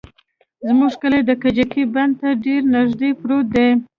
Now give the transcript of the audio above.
زموږ کلى د کجکي بند ته ډېر نژدې پروت دى.